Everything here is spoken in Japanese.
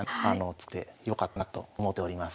作ってよかったなと思っております。